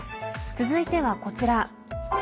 続いてはこちら。